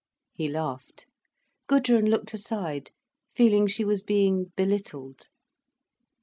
He laughed. Gudrun looked aside, feeling she was being belittled.